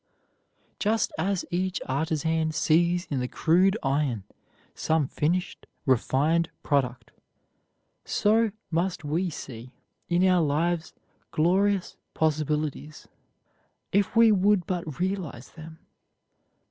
Just as each artisan sees in the crude iron some finished, refined product, so must we see in our lives glorious possibilities, if we would but realize them.